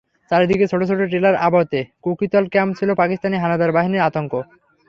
চারিদিকে ছোট ছোট টিলার আবর্তে কুকিতল ক্যাম্প ছিল পাকিস্তানি হানাদার বাহিনীর আতঙ্ক।